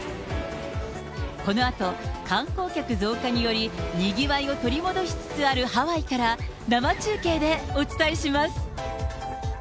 このあと、観光客増加により、にぎわいを取り戻しつつあるハワイから生中継でお伝えします。